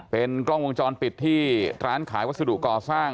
เป็นกล้องวงจรปิดที่ร้านขายวัสดุก่อสร้าง